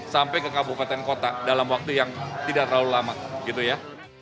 sampai ke kabupaten kota dalam waktu yang tidak terlalu lama gitu ya